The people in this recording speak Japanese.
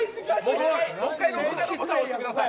もう１回録画ボタン押してください。